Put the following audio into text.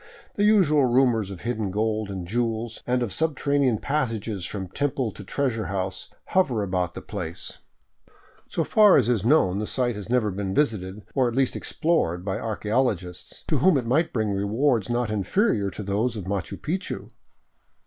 The usual rumors of hidden gold and jewels, and of subterranean passages from temple to treasure house, hover about the place. So far as is 537 VAGABONDING DOWN THE ANDES known the site has never been visited, or at least explored, by arch eologists, to whom it might bring rewards not inferior to those of Machu Picchu.